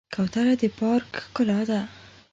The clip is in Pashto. کوتره د پارک ښکلا ده.